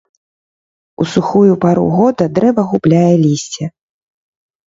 У сухую пару года дрэва губляе лісце.